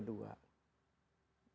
sudah ada yang diabetes tipe dua